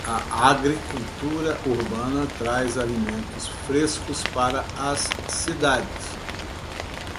A agricultura urbana traz alimentos frescos para as cidades.